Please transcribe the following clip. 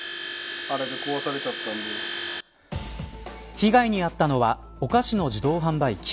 被害に遭ったのはお菓子の自動販売機。